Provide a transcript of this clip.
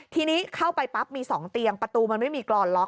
ทีนี้เข้าไปปั๊บมี๒เตียงประตูมันไม่มีกรอนล็อก